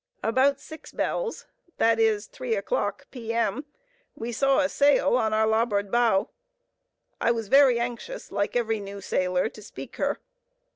About six bells, that is, three o'clock, P.M., we saw a sail on our larboard bow. I was very anxious, like every new sailor, to speak her.